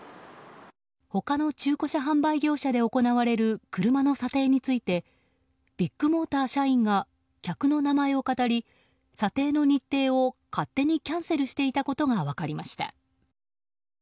他の中古車販売業者で行われる車の査定についてビッグモーター社員が客の名前をかたり査定の日程を勝手にキャンセルしていたことが分かりました。